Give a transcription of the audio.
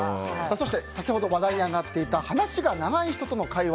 そして、先ほど話題に上がっていた話が長い人との会話。